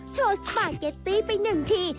โชว์สปาเกตตี้ไปหนึ่งที